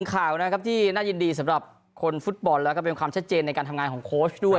ข่าวนะครับที่น่ายินดีสำหรับคนฟุตบอลแล้วก็เป็นความชัดเจนในการทำงานของโค้ชด้วย